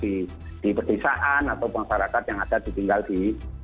di luar masyarakat di di pedesaan atau masyarakat yang ada ditinggal di